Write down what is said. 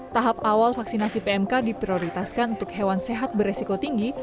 tahap awal vaksinasi pmk diprioritaskan untuk hewan sehat beresiko tinggi